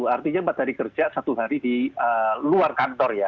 artinya empat hari kerja satu hari di luar kantor ya